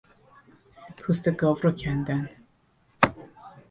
پوست گاو را کندن